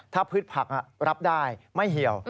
ถ้าพืชผักรับได้ไม่เหี่ยว